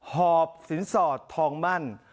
หอบศิลป์สอดทองมั่น